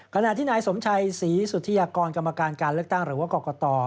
ขณะที่นายสมชัยศรีสุธิยากรกรรมการการเลือกตั้งหรือว่ากรกต